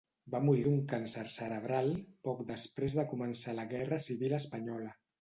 Va morir d'un càncer cerebral poc després de començar la guerra civil espanyola.